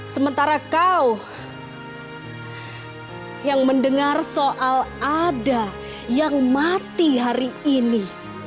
sementara kau yang mendengar soal ada yang mati hari ini